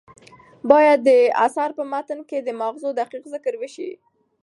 باید د اثر په متن کې د ماخذونو دقیق ذکر وشي.